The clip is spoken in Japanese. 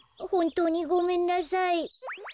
ほんとうにごめんなさい！